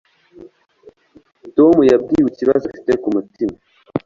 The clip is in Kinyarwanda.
Tom yabwiwe ikibazo afite ku mutima